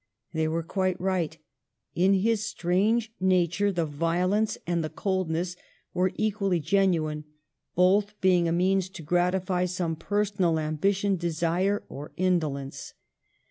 They were quite right ; in his strange nature the violence and the coldness were equally gen uine, both being a means to gratify some per sonal ambition, desire, or indolence.